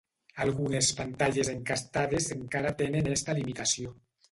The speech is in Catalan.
Algunes pantalles encastades encara tenen esta limitació.